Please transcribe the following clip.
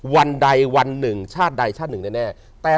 วันใดวันหนึ่งชาติใดชาติหนึ่งแน่